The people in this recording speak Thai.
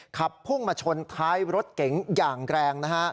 ขับพุ่งมาชนท้ายรถเก๋งอย่างแรงนะฮะ